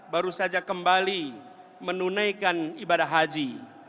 baru saja kembali menunaikan ibadah haji